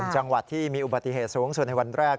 จังหวัดที่มีอุบัติเหตุสูงสุดในวันแรก